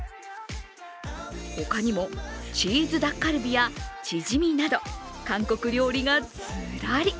他にも、チーズタッカルビやチヂミなど韓国料理がずらり。